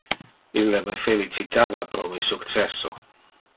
Ille me felicitava pro mi successo.